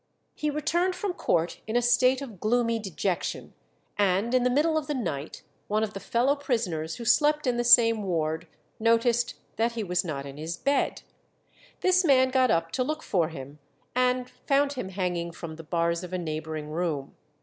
He returned from court in a state of gloomy dejection, and in the middle of the night one of the fellow prisoners who slept in the same ward noticed that he was not in his bed. This man got up to look for him, and found him hanging from the bars of a neighbouring room.